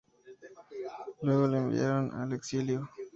Luego lo enviaron al exilio.